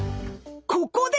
ここで！